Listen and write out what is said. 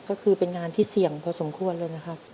ก็คือเป็นงานที่เสี่ยงพอสมควรเลยนะครับ